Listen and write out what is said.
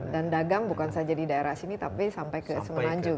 dan dagang bukan saja di daerah sini tapi sampai ke semenanjung